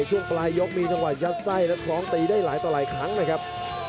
ช่วงปลายยกมีจังหวะยัดไส้และคล้องตีได้หลายต่อหลายครั้งนะครับ